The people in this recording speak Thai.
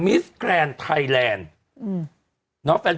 มิสแกรนด์ไทยแลนด์